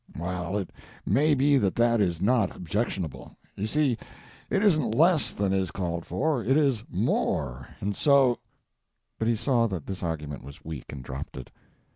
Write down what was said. "Well, it may be that that is not objectionable. You see it isn't less than is called for, it is more, and so,—" But he saw that this argument was weak, and dropped it.